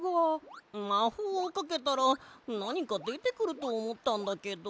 まほうをかけたらなにかでてくるとおもったんだけど。